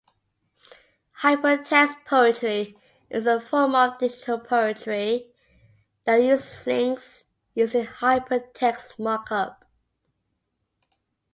Hypertext poetry is a form of digital poetry that uses links using hypertext mark-up.